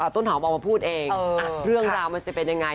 ต้นหอมออกมาพูดเองเรื่องราวมันจะเป็นยังไง